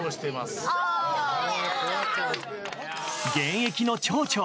現役の町長！